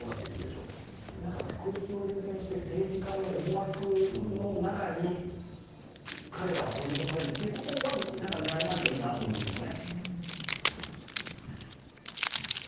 国益を優先して政治家の思惑の中に彼らが取り残されるということは、ないといいなと思うんですけどね。